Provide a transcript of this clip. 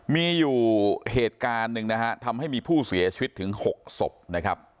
มีอยู่เหตุการณ์หนึ่งนะฮะทำให้มีผู้เสียชีวิตถึง๖ศพนะครับ